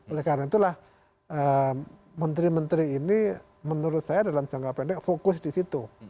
oleh karena itulah menteri menteri ini menurut saya dalam jangka pendek fokus di situ